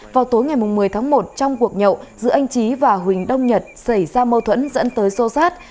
vào tối ngày một mươi tháng một trong cuộc nhậu giữa anh trí và huỳnh đông nhật xảy ra mâu thuẫn dẫn tới sô sát